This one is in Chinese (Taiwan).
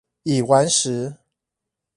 已完食